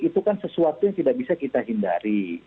itu kan sesuatu yang tidak bisa kita hindari